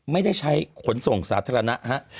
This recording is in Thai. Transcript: ไม่ได้ใช้ขนส่งสาธารณะฮะ